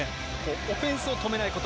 オフェンスを止めないこと。